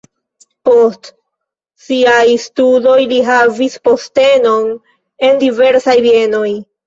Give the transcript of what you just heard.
Post siaj studoj li havis postenon en diversaj bienoj.